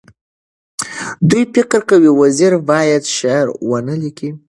دوی فکر کوي وزیر باید شعر ونه لیکي.